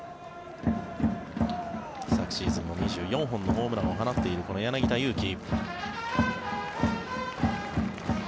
昨シーズンは２４本のホームランを放っているこの柳田悠岐。